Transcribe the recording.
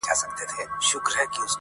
پرون زېری سو د سولي چا کرار پوښتنه وکړه!